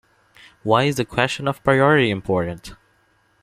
Why is the question of priority important?